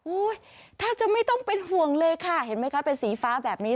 แทบจะไม่ต้องเป็นห่วงเลยค่ะเห็นไหมคะเป็นสีฟ้าแบบนี้